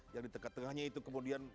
yang hanya itu kemudian